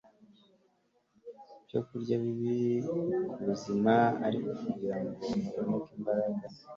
ibyokurya bibi ku buzima Ariko kugira ngo haboneke imbaraga